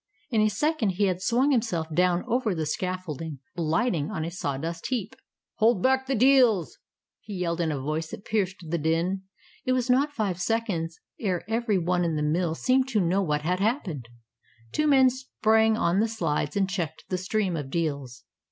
In a second he had swung himself down over the scaffolding, alighting on a sawdust heap. "Hold back the deals!" he yelled in a voice that pierced the din. It was not five seconds ere every one in the mill seemed to know what had happened. Two men sprang on the slides and checked the stream of deals.